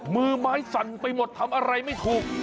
มือไม้สั่นไปหมดทำอะไรไม่ถูก